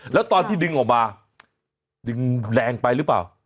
แล้วตอนที่ดึงออกมาดึงแรงไปหรือเปล่า